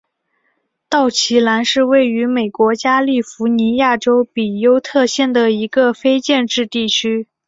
道奇兰是位于美国加利福尼亚州比尤特县的一个非建制地区。